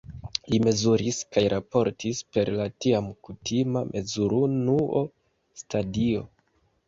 Li mezuris kaj raportis per la tiam kutima mezurunuo "stadio".